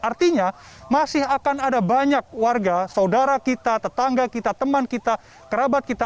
artinya masih akan ada banyak warga saudara kita tetangga kita teman kita kerabat kita